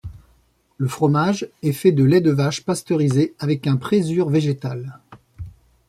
Le fromage est fait de lait de vache pasteurisé avec un présure végétale.